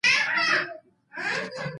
جګړه هېڅ ګټوونکی نلري!